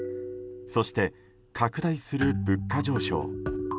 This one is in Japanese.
そして、拡大する物価上昇。